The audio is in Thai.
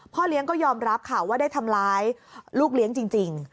เลี้ยงก็ยอมรับค่ะว่าได้ทำร้ายลูกเลี้ยงจริง